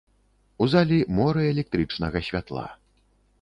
У залі мора электрычнага святла.